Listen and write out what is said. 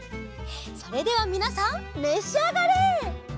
それではみなさんめしあがれ！